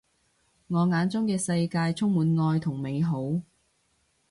我眼中嘅世界充滿愛同美好